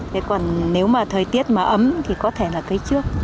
thế còn nếu mà thời tiết mà ấm thì có thể là cây trước